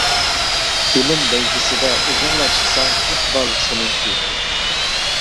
ئىلىم بەيگىسىدە ئۆزۈڭلا چىقساڭ، ئىقبال سېنىڭكى.